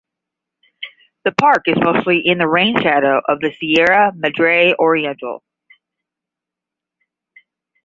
The park is mostly in the rain shadow of the Sierra Madre Oriental.